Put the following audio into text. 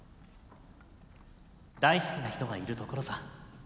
大好きな人がいるところさ。